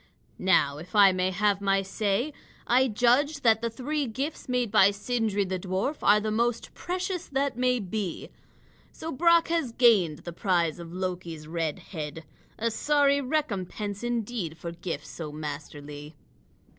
Now, if I may have my say, I judge that the three gifts made by Sindri the dwarf are the most precious that may be. So Brock has gained the prize of Loki's red head, a sorry recompense indeed for gifts so masterly."